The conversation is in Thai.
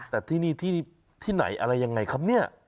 แต่ที่นี่ที่ไหนอะไรยังไงครับเนี่ย